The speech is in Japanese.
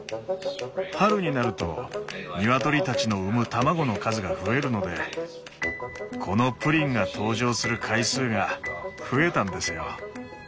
春になるとニワトリたちの産む卵の数が増えるのでこのプリンが登場する回数が増えたんですよ。